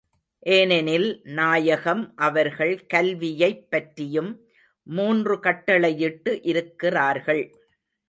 ஏனெனில், நாயகம் அவர்கள் கல்வியைப் பற்றியும் மூன்று கட்டளையிட்டு இருக்கிறார்கள்.